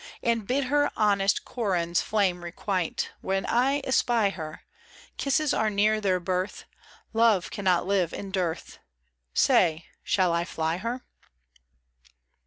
And bid her honest Corin*s flame requite ; When I espy her, Kisses are near their birth — Love cannot live in dearth — Say, shall I fly her?